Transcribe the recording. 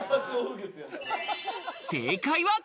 正解は。